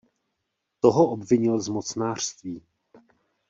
Toho obvinil z mocnářství.